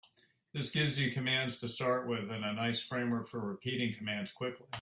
This gives you commands to start with and a nice framework for repeating commands quickly.